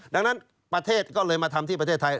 ดังนั้นประเทศก็เลยมาทำที่ประเทศไทย